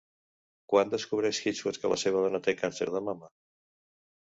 Quan descobreix Hitchcock que la seva dona té càncer de mama?